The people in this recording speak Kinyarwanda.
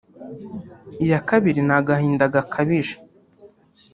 iya kabiri ni agahinda gakabije